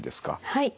はい。